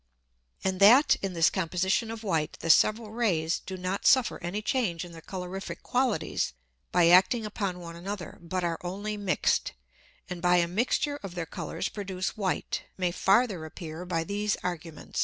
And that in this Composition of white the several Rays do not suffer any Change in their colorific Qualities by acting upon one another, but are only mixed, and by a mixture of their Colours produce white, may farther appear by these Arguments.